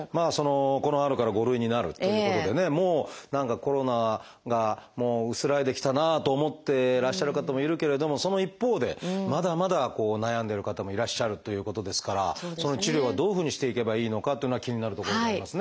この春から５類になるということでねもう何かコロナがもう薄らいできたなと思ってらっしゃる方もいるけれどもその一方でまだまだ悩んでる方もいらっしゃるということですからその治療はどういうふうにしていけばいいのかというのは気になるところでございますね。